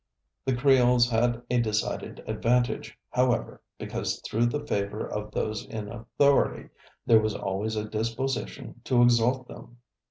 The Creoles had a decided advantage, however, because through the favor of those in authority, there was always a disposition to exalt them.